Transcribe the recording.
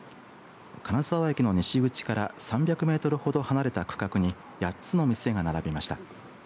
金沢駅の西口から３００メートルほど離れた区画に８つの店が並びました。